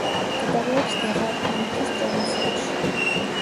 მდებარეობს გეღარქუნიქის პროვინციაში.